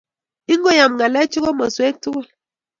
I-ngoyom ng'alechu komoswek tugul.